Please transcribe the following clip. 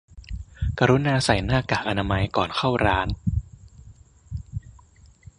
กรุณาใส่หน้ากากอนามัยก่อนเข้าร้าน